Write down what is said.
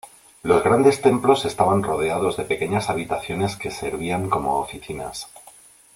Los grandes templos estaban rodeados de pequeñas habitaciones que servían como oficinas.